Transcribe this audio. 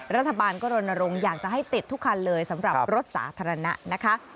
รัฐบาลก็รณรงค์อยากจะให้ติดทุกคันเลยสำหรับรถสาธารณะนะคะ